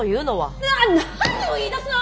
なっ何を言いだすの！